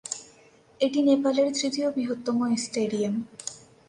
এটি নেপালের তৃতীয় বৃহত্তম স্টেডিয়াম।